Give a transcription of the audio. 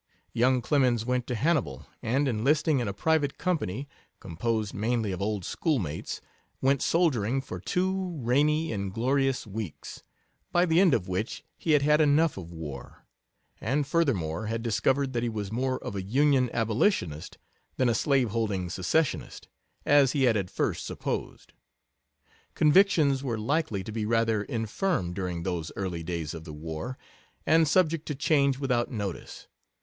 Young Clemens went to Hannibal, and enlisting in a private company, composed mainly of old schoolmates, went soldiering for two rainy, inglorious weeks, by the end of which he had had enough of war, and furthermore had discovered that he was more of a Union abolitionist than a slave holding secessionist, as he had at first supposed. Convictions were likely to be rather infirm during those early days of the war, and subject to change without notice.